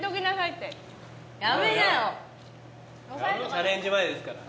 チャレンジ前ですから。